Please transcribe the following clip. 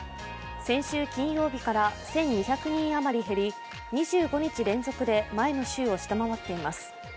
先週金曜日から１２００人余り減り、２５日連続で前の週を下回っています。